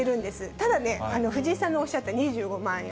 ただね、藤井さんのおっしゃった２５万円。